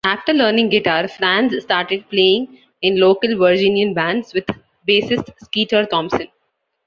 After learning guitar, Franz started playing in local Virginian bands with bassist Skeeter Thompson.